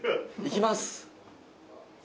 いきます！